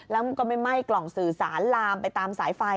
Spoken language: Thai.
แล้วมันก็ไม่ไหม้กล่องสื่อสารลามไปตามสายไฟ